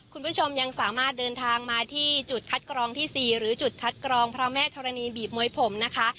คุณผู้ชมยังสามารถเดินทางมาที่จุดคัดกรองที่๔หรือจุดคัดกรองพระแม่ธรณีบีบมวยผมนะคะ